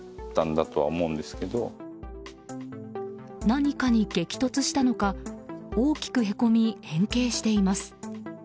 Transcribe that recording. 何かに激突したのか大きくへこみ変形しています。